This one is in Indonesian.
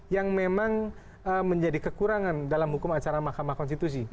yang memang menjadi kekurangan dalam hukum acara mahkamah konstitusi